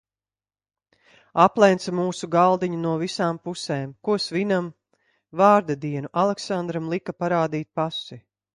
Aplenca mūsu galdiņu no visām pusēm. Ko svinam? Vārda dienu! Aleksandram lika parādīt pasi.